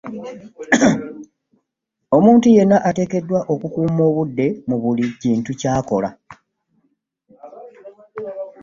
Omuntu yenna ateekeddwa okukuuma obudde mu buli kintu ky'akola.